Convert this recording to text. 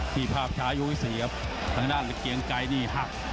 ที่ภาพชายุทธศีรครับทางด้านเกียงไกนี่หัก